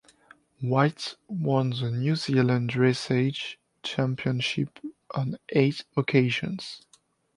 White won the New Zealand dressage championship on eight occasions.